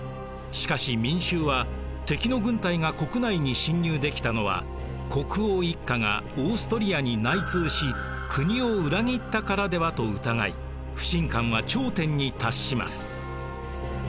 しかし民衆は敵の軍隊が国内に侵入できたのは「国王一家がオーストリアに内通し国を裏切ったからでは」と疑い不信感は頂点に達します。